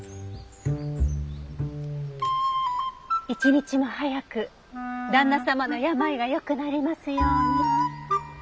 一日も早く旦那様の病がよくなりますように。